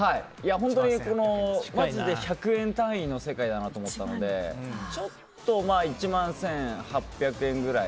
本当に、マジで１００円単位の世界だなと思ったのでちょっと１万１８００円くらい。